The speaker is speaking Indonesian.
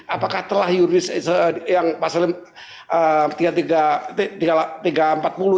apakah telah yuridis yang pasal